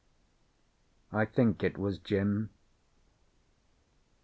I think it was Jim.